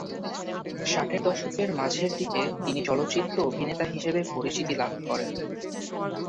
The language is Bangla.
ষাটের দশকের মাঝের দিকে তিনি চলচ্চিত্র অভিনেতা হিসেবে পরিচিতি লাভ করেন।